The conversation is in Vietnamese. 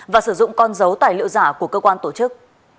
và sử dụng con dấu tài liệu giả của cơ quan tổ chức